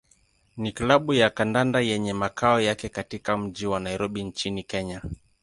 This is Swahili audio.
ni klabu ya kandanda yenye makao yake katika mji wa Nairobi nchini Kenya.